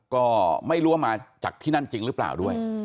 ก็ไม่รู้ว่ามาจากที่นั่นจริงหรือเปล่าด้วย